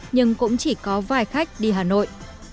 nhưng cũng chỉ có vài khách đi hà nội